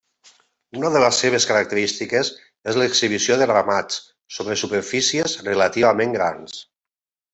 Una de les seves característiques és l'exhibició de ramats sobre superfícies relativament grans.